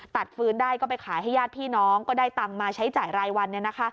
ฟื้นได้ก็ไปขายให้ญาติพี่น้องก็ได้ตังค์มาใช้จ่ายรายวัน